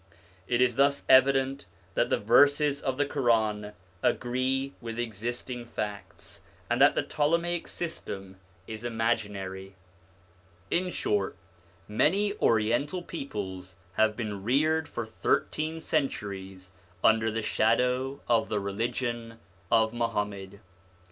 It is thus evident that the verses of the Quran agree with existing facts, and that the Ptolemaic system is imaginary. In short, many Oriental peoples have been reared for thirteen centuries under the shadow of the religion of Muhammad.